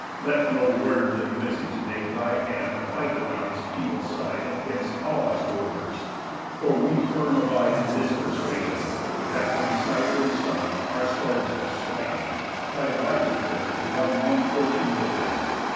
Let no words of Ulysses make Thy hand a fighter on his feeble side 'Gainst all us Wooers; for we firm abide In this persuasion, that when sire and son Our swords have slain, thy life is sure to run One fortune with them.